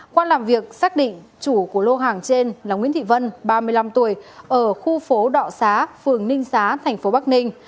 qua làm việc xác định chủ của lô hàng trên là nguyễn thị vân ba mươi năm tuổi ở khu phố đọ xá phường ninh xá thành phố bắc ninh